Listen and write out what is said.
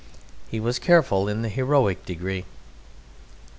He was careful in the heroic degree.